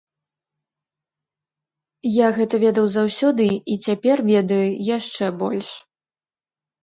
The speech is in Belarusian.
Я гэта ведаў заўсёды, і цяпер ведаю яшчэ больш.